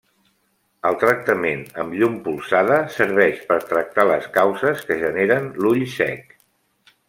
El tractament amb llum polsada serveix per tractar les causes que generen l'ull sec.